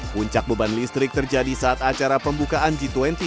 puncak beban listrik terjadi saat acara pembukaan g dua puluh